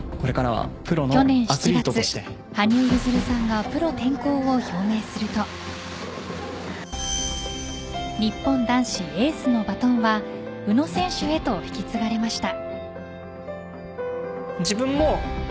去年７月、羽生結弦さんがプロ転向を表明すると日本男子エースのバトンは宇野選手へと引き継がれました。